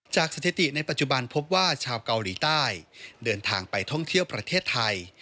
สถิติในปัจจุบันพบว่าชาวเกาหลีใต้เดินทางไปท่องเที่ยวประเทศไทย